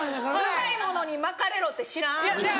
長いものに巻かれろって知らん？